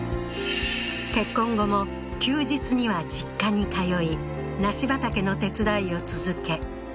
結婚後も休日には実家に通い梨畑の手伝いを続け